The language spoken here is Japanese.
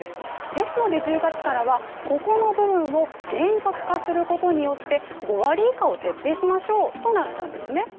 ですので、１０月からはここの部分を厳格化することによって、５割以下を徹底しましょうとなったんですね。